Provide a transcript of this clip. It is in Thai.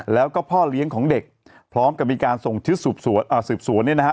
แล้วก็พ่อเลี้ยงของเด็กพร้อมกับมีการส่งชุดสืบสวนเนี่ยนะฮะ